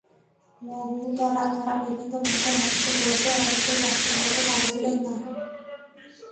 মাহুতরা তাঁরা বিভিন্ন ভাষায় হাতিকে বশে আনতে চাচ্ছিলেন কিন্তু পারছিলেন না।